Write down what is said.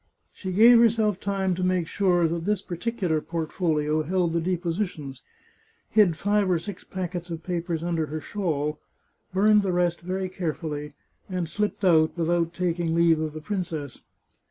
She gave herself time to make sure that this particular portfolio held the depositions, hid five or six packets of papers under her shawl, burned the rest very carefully, and slipped out without taking leave of the princess.